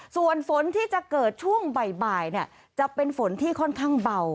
ส่วนฝนที่จะเกิดช่วงบ่ายจะเป็นฝนที่ค่อนข้างเบา